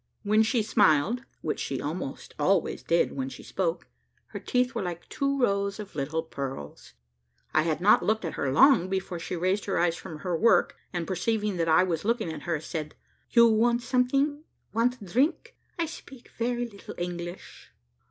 When she smiled, which she almost always did when she spoke, her teeth were like two rows of little pearls. I had not looked at her long, before she raised her eyes from her work, and perceiving that I was looking at her, said, "You want something want drink I speak very little English."